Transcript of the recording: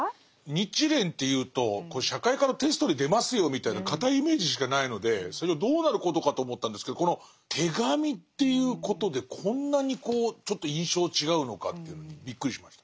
日蓮っていうと社会科のテストに出ますよみたいな堅いイメージしかないので最初どうなることかと思ったんですけどこの手紙っていうことでこんなにちょっと印象違うのかっていうのにびっくりしました。